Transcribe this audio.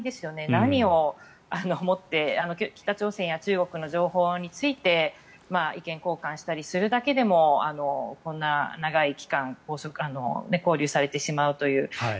何をもって北朝鮮や中国の情報について意見交換したりするだけでもこんな長い期間勾留されてしまうという。